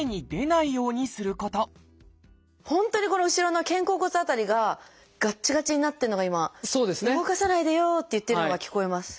本当にこの後ろの肩甲骨辺りががっちがちになってるのが今「動かさないでよ」って言ってるのが聞こえます。